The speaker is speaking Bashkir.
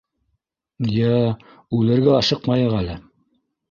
Йә-ә... үлергә ашыҡмайыҡ әле...